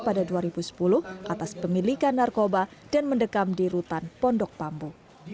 pada dua ribu sepuluh atas pemilikan narkoba dan mendekam di rutan pondok bambu